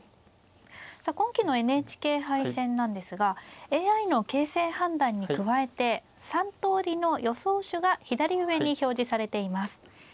さあ今期のＮＨＫ杯戦なんですがＡＩの形勢判断に加えて３とおりの予想手が左上に表示されています。